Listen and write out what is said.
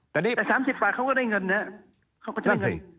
แต่๓๐ป่าวเขาก็ได้เงินเนี่ยเขาก็จะได้เงิน